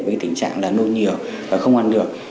với tình trạng là nôn nhiều và không ăn được